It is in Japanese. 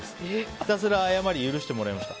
ひたすら謝り許してもらいました。